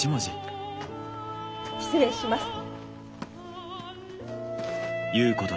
失礼します。